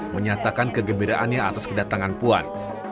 menyatakan kegembiraannya atas kedatangan puan